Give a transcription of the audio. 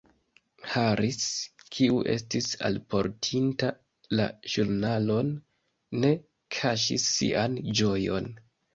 Harris, kiu estis alportinta la ĵurnalon, ne kaŝis sian ĝojon.